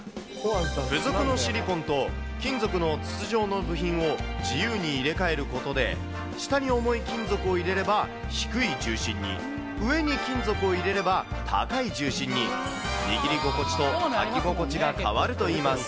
付属のシリコンと、金属の筒状の部品を自由に入れ替えることで、下に重い金属を入れれば、低い重心に、上に金属を入れれば、高い重心に、握り心地と書き心地が変わるといいます。